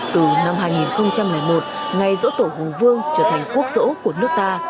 từ năm hai nghìn một ngày dỗ tổ hùng vương trở thành quốc sổ của nước ta